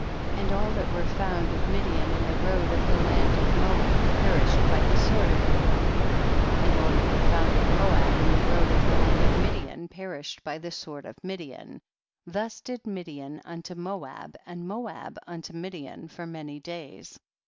22. And all that were foimd of Midian in the road of the land of Moab perished by the sword of Moab, and all that were found of Moab in the road of the land of Midian, pe rished by the sw^ord of Midian; thus did jMidian unto Moab and Moab unto Midian for many days.